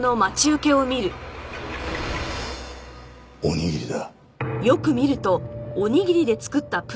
おにぎりだ。